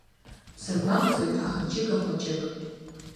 Бсыргәамҵуеит, аха џьыка хәыҷык!